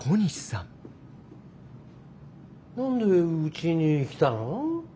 何でうちに来たの？